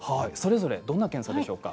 どんな検査でしょうか。